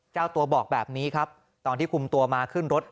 เจ้าตัวบอกแบบนี้ครับตอนที่คุมตัวมาขึ้นรถ